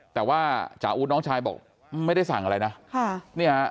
แต่ว่าจอหูทน้องชายบอกไม่ได้สั่งอะไรนะ